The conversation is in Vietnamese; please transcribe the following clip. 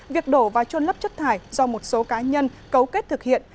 việc đổ và trôn lấp chất thải do một số cá nhân cấu kết thực hiện